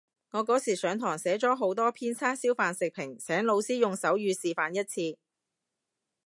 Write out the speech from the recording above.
我嗰時上堂寫咗好多篇叉燒飯食評，請老師用手語示範一次